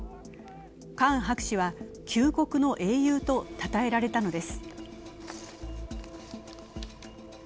カーン博士は救国の英雄とたたえられたのです。